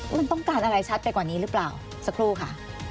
มันต้องการอะไรชัดไปกว่านี้หรือเปล่าสักครู่ค่ะ